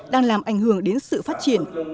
đang làm ảnh hưởng đến sự phát triển